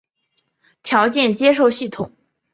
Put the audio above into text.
条件接收系统。